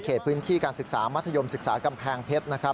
พื้นที่การศึกษามัธยมศึกษากำแพงเพชรนะครับ